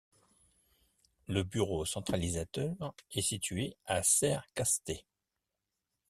Le bureau centralisateur est situé à Serres-Castet.